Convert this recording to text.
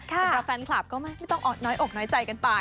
สำหรับแฟนคลับก็ไม่ต้องน้อยอกน้อยใจกันไป